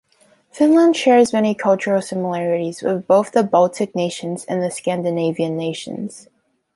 Finland shares many cultural similarities with both the Baltic nations and the Scandinavian nations.